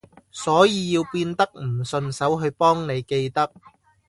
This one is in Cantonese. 所以要變得唔順手去幫你記得